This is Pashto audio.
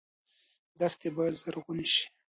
دښتې باید زرغونې شي.